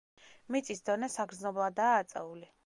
მიწის დონე საგრძნობლადაა აწეული.